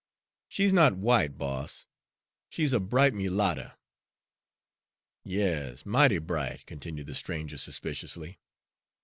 "She's not w'ite, boss, she's a bright mulatter." "Yas, mighty bright," continued the stranger suspiciously.